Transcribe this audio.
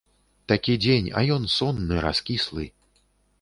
Такі дзень, а ён сонны, раскіслы.